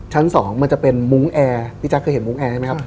ชั้น๒มันจะเป็นมุ้งแอร์พี่แจ๊คเคยเห็นมุ้งแอร์ใช่ไหมครับ